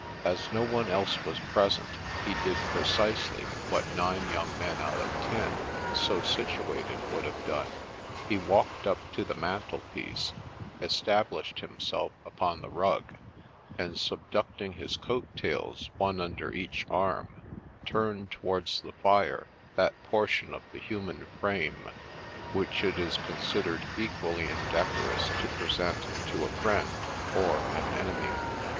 As no one else was present, he did precisely what nine young men out of ten so situated would have done ; he walked up to the mantel piece, established himself upon the rug, and subducting his coat tails one under each arm, turned towards the fire that portion of the human frame which it is considered equally in decorous to present to a friend or an enemy.